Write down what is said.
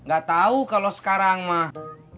gak tahu kalau sekarang mah